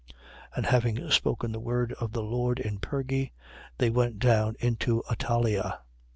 14:24. And having spoken the word of the Lord in Perge, they went down into Attalia.